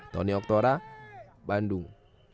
tony oktora bandung